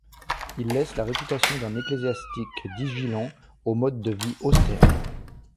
Il laisse la réputation d’un ecclésiastique diligent, au mode de vie austère.